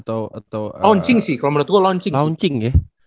launching sih kalau menurut gue launching